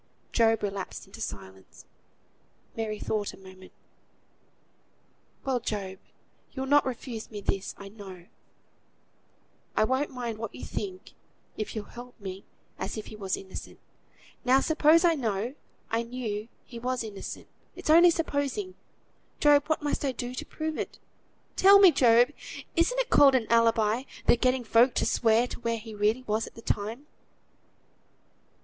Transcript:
Job relapsed into silence. Mary thought a moment. "Well, Job, you'll not refuse me this, I know. I won't mind what you think, if you'll help me as if he was innocent. Now suppose I know I knew he was innocent, it's only supposing, Job, what must I do to prove it? Tell me, Job! Isn't it called an alibi, the getting folk to swear to where he really was at the time?"